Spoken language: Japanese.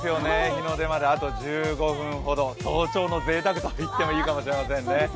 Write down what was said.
日の出まであと１５分ほど早朝のぜいたくと言ってもいいかもしれませんね。